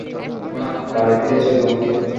মা, বাড়ি ফিরে চলো।